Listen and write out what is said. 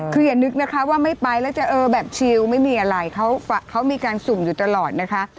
คืออย่านึกนะคะว่าไม่ไปแล้วจะเออแบบชิลไม่มีอะไรเขามีการสุ่มอยู่ตลอดนะคะ